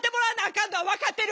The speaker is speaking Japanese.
かんのは分かってる。